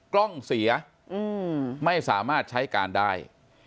กล้องเสียไม่สามารถใช้การได้